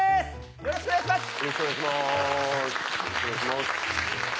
よろしくお願いします。